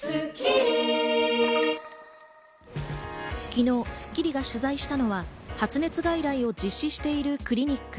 昨日『スッキリ』が取材したのは発熱外来を実施しているクリニック。